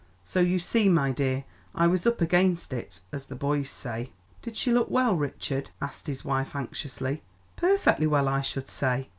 So you see, my dear, I was up against it, as the boys say." "Did she look well, Richard?" asked his wife anxiously. "Perfectly well, I should say."